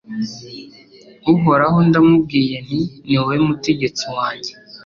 Uhoraho ndamubwiye nti Ni wowe Mutegetsi wanjye